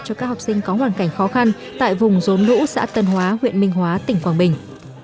cho các học sinh có hoàn cảnh khó khăn tại vùng rốn lũ xã tân hóa huyện minh hóa tỉnh quảng bình